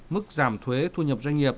mức giảm thuế thu nhập doanh nghiệp